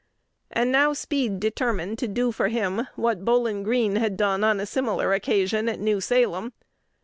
And now Speed determined to do for him what Bowlin Greene had done on a similar occasion at New Salem.